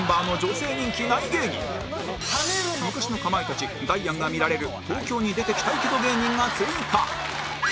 芸人昔のかまいたちダイアンが見られる東京に出てきたいけど芸人が追加！